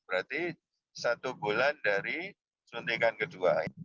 berarti satu bulan dari suntikan kedua